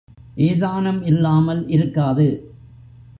ஏதானும் இல்லாமல் இருக்காது.